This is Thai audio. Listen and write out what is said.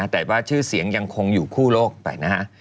แต่ว่าชื่อเสียงยังคงอยู่คู่โลกไปนะฮะ